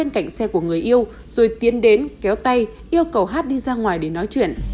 cảnh xe của người yêu rồi tiến đến kéo tay yêu cầu hát đi ra ngoài để nói chuyện